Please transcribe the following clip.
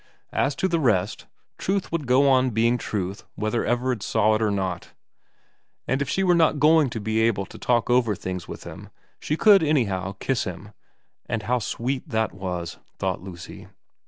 As to the rest, truth would go on being truth whether Everard saw it or not ; and if she were not going to be able to talk over things with him she could anyhow kiss him, and how sweet that was, thought Lucy.